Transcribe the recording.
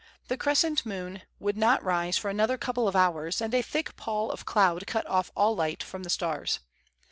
The crescent moon would not rise for another couple of hours, and a thick pall of cloud cut off all light from the stars.